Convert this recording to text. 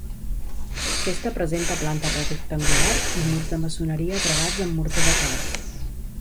Aquesta presenta planta rectangular i murs de maçoneria travats amb morter de calç.